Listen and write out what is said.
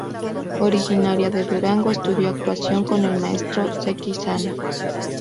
Originaria de Durango, estudió actuación con el maestro Seki Sano.